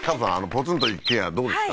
ポツンと一軒家はどうですか？